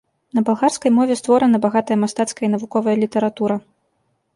На балгарскай мове створана багатая мастацкая і навуковая літаратура.